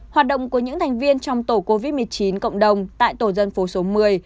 hoạt động của những thành viên trong tổ covid một mươi chín cộng đồng tại tổ dân phố số một mươi